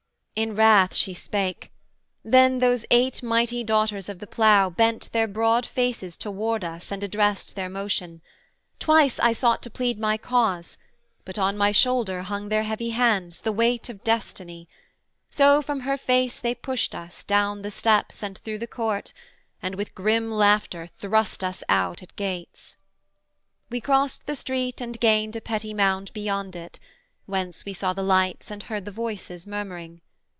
In wrath she spake. Then those eight mighty daughters of the plough Bent their broad faces toward us and addressed Their motion: twice I sought to plead my cause, But on my shoulder hung their heavy hands, The weight of destiny: so from her face They pushed us, down the steps, and through the court, And with grim laughter thrust us out at gates. We crossed the street and gained a petty mound Beyond it, whence we saw the lights and heard the voices murmuring.